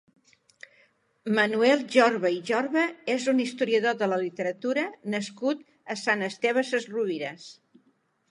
Manuel Jorba i Jorba és un historiador de la literatura nascut a Sant Esteve Sesrovires.